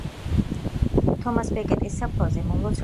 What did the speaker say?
თომას ბეკეტის საფლავზე მომლოცველთა მოგზაურობა.